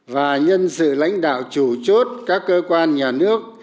và nhân sự lãnh đạo chủ chốt các cơ quan nhà nước